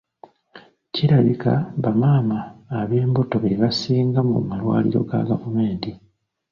Kirabika bamaama ab'embuto be basinga mu malwaliro ga gavumenti.